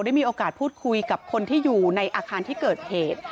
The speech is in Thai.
ได้มีโอกาสพูดคุยกับคนที่อยู่ในอาคารที่เกิดเหตุ